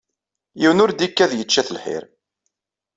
Yiwen ur d-ikad yečča-t lḥir.